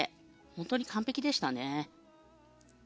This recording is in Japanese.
本当に完璧でしたね。